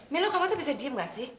milo kamu bisa diam tidak